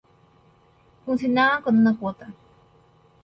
Funcionaban con una cuota.